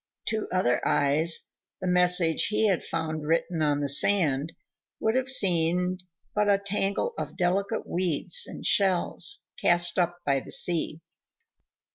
To other eyes the message he had found written on the sand would have seemed but a tangle of delicate weeds and shells cast up by the sea.